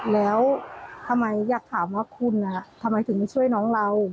แล้วทำไมอยากถามว่าคุณทำไมถึงไม่ช่วยน้องเรา